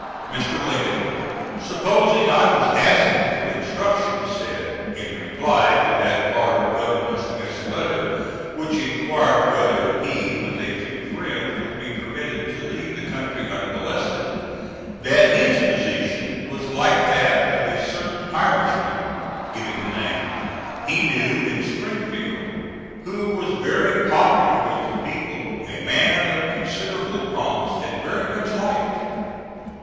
Mr. Lincoln, supposing I was asking for instructions, said, in reply to that part of Governor Smith's letter which inquired whether he with a few friends would be permitted to leave the country unmolested, that his position was like that of a certain Irishman (giving the name) he knew in Springfield who was very popular with the people, a man of considerable promise, and very much liked.